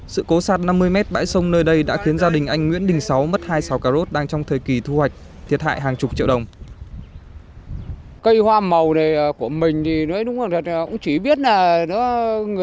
sự cố sạt năm mươi m bãi sông nơi đây đã khiến gia đình anh nguyễn đình sáu mất hai sào cà rốt đang trong thời kỳ thu hoạch thiệt hại hàng chục triệu đồng